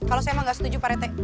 kalau saya emang gak setuju pak rete